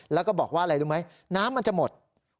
แล้วก็บอกว่าอะไรรู้ไหมน้ำมันจะหมด